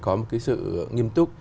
có một cái sự nghiêm túc